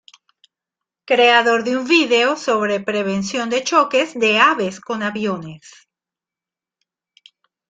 Creador de un vídeo sobre prevención de choques de aves con aviones.